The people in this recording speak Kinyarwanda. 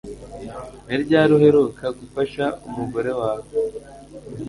Ni ryari uheruka gufasha umugore wawe